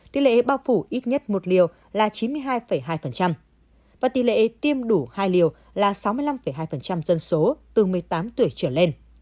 tỷ lệ bao phủ ít nhất một liều là chín mươi hai hai và tỷ lệ tiêm đủ hai liều là sáu mươi năm hai dân số từ một mươi tám tuổi trở lên